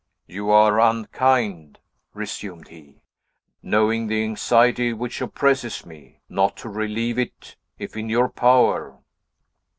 "You are unkind," resumed he, "knowing the anxiety which oppresses me, not to relieve it, if in your power."